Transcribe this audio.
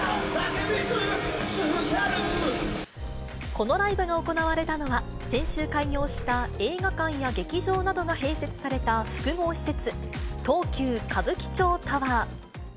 このライブが行われたのは、先週開業した映画館や劇場などが併設された複合施設、東急歌舞伎町タワー。